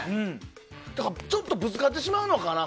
ちょっとぶつかってしまうのかな。